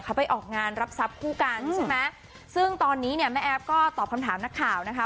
เขาไปออกงานรับทรัพย์คู่กันใช่ไหมซึ่งตอนนี้เนี่ยแม่แอฟก็ตอบคำถามนักข่าวนะคะ